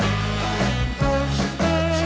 รับทราบ